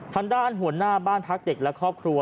ทางด้านหัวหน้าบ้านพักเด็กและครอบครัว